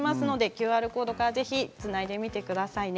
ＱＲコードからぜひつないでみてくださいね。